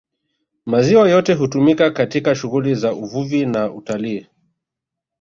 Maziwa yote hutumika katika shughuli za Uvuvi na Utalii